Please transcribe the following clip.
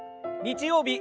日曜日